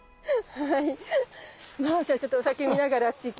はい。